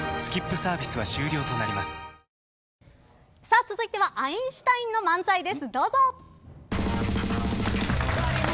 続いてはアインシュタインの漫才です。